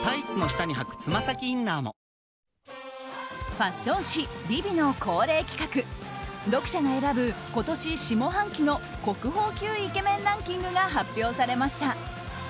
ファッション誌「ＶｉＶｉ」の恒例企画読者が選ぶ今年下半期の国宝級イケメンランキングが発表されました。